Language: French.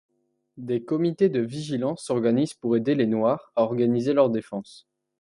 Des comités de vigilance s'organisent pour aider les Noirs à organiser leur défense.